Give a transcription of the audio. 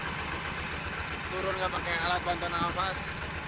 bener bener ya kalau turun nggak pakai alat bantu nafas